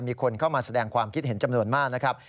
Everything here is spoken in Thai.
มีคนเข้ามาแสดงความคิดเห็นจำนวนมากนะครับ